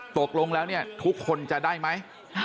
ตกลงแล้วทุกคนจะได้ไหม